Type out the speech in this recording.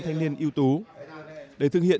thanh niên yếu tố để thực hiện